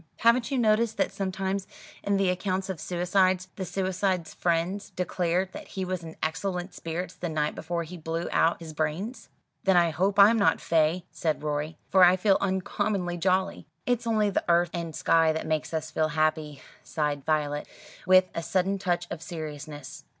Haven't you noticed that sometimes in the accounts of suicides, the suicide's friends declare that he was in excellent spirits the night before he blew out his brains?" "Then I hope I'm not 'fey,'" said Rorie, "for I feel uncommonly jolly." "It's only the earth and sky that make us feel happy," sighed Violet, with a sudden touch of seriousness.